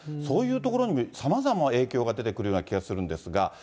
そういう所にもさまざまな影響が出てくるような気がするんですが。